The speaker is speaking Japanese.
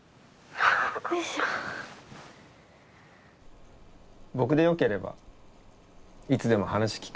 僕でよければいつでも話聞くよ。